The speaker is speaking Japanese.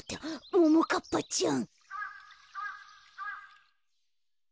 ・ももかっぱちゃん。